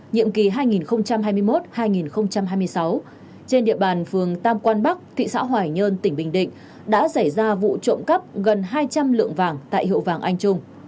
nhiệm kỳ hai nghìn hai mươi một hai nghìn hai mươi sáu trên địa bàn phường tam quan bắc thị xã hoài nhơn tỉnh bình định đã xảy ra vụ trộm cắp gần hai trăm linh lượng vàng tại hiệu vàng anh trung